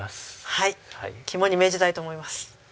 はい肝に銘じたいと思います。